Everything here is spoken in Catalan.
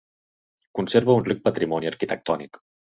Conserva un ric patrimoni arquitectònic.